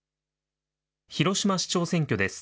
浜松市長選挙です。